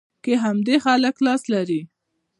کې همدا خلک لاس لري.